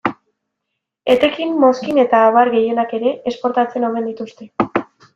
Etekin, mozkin eta abar gehienak ere, esportatzen omen dituzte.